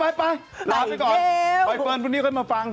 แล้วไปก่อนให้เฟิร์นพุนิ่วขึ้นมาฟัง